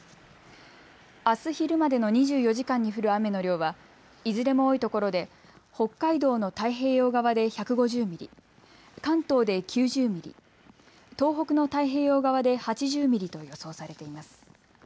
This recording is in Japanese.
あす昼までの２４時間に降る雨の量は、いずれも多いところで北海道の太平洋側で１５０ミリ、関東で９０ミリ、東北の太平洋側で８０ミリと予想されています。